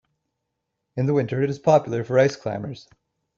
In the winter it is popular for ice-climbers.